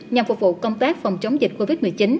nhằm phục vụ công tác phòng chống dịch covid một mươi chín